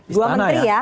dua menteri ya